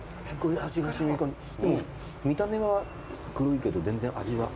でも見た目は黒いけど全然味は。